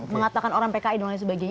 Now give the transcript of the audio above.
mengatakan orang pki dan lain sebagainya